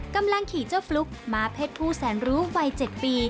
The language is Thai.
กำลังขี่เจ้าฟลุ๊กม้าเพศผู้แสนรู้วัย๗ปี